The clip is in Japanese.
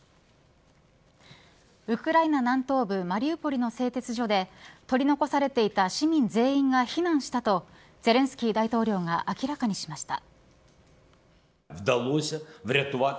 ウクライナ南東部マリウポリの製鉄所で取り残されていた市民全員が避難したとゼレンスキー大統領が明らかにしました。